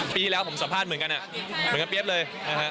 ปีที่แล้วผมสัมภาษณ์เหมือนกันเหมือนกับเปี๊ยบเลยนะฮะ